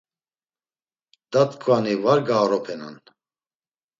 Datkvani var gaoropenan.